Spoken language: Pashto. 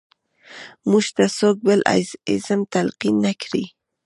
موږ ته څوک بل ایزم تلقین نه کړي.